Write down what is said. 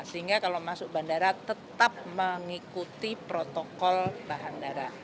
sehingga kalau masuk bandara tetap mengikuti protokol bahan darah